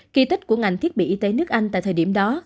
kỳ tích của ngành thiết bị y tế nước anh tại thời điểm đó